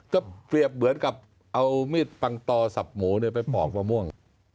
ก็เปรียบเหมือนกับเอามีดปังตอสับหมูไปปอกมะม่วง